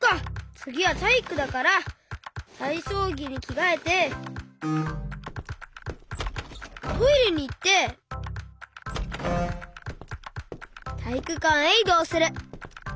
つぎはたいいくだからたいそうぎにきがえてトイレにいってたいいくかんへいどうする。